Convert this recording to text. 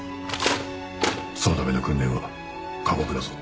そのための訓練は過酷だぞ。